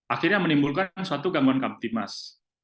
akhirnya menimbulkan suatu gangguan kamtimas